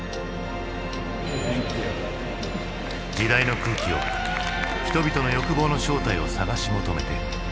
時代の空気を人々の欲望の正体を探し求めて。